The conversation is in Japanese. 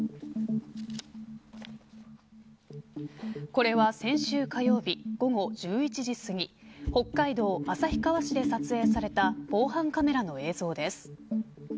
これは先週火曜日午後１１時すぎ北海道旭川市で撮影された防犯カメラの映像です。